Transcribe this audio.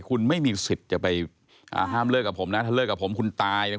คุณไม่มีสิทธิ์จะไปอ่าห้ามเลิกกับผมนะถ้าเลิกกับผมคุณตายเลย